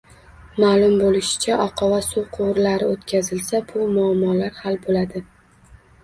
Maʼlum boʻlishicha, oqova suv quvurlari oʻtkazilsa, bu muammo hal boʻladi.